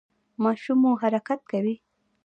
ماشوم مو حرکت کوي؟